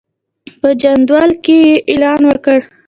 په جندول کې یې اعلان وکړ.